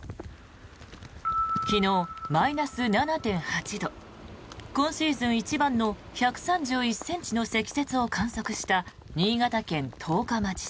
昨日、マイナス７．８度今シーズン一番の１３１ｃｍの積雪を観測した新潟県十日町市。